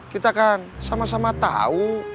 kita akan sama sama tahu